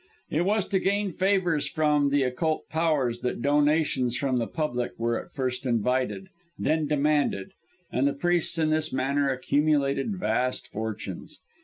It was to gain favours from the Occult Powers that donations from the public were at first invited, then demanded; and the priests in this manner accumulated vast fortunes.